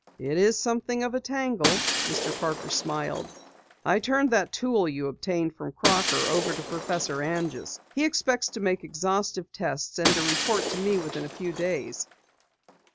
"It is something of a tangle," Mr. Parker smiled. "I turned that tool you obtained from Crocker over to Professor Anjus. He expects to make exhaustive tests and to report to me within a few days."